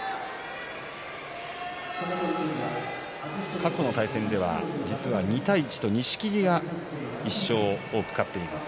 過去の対戦では実は２対１と錦木が１勝多く勝っています。